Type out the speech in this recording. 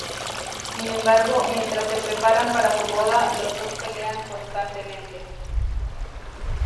Sin embargo, mientras se preparan para su boda, los dos pelean constantemente.